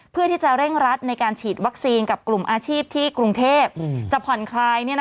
เพื่อที่จะเร่งรัดในการฉีดวัคซีนกับกลุ่มอาชีพที่กรุงเทพจะผ่อนคลาย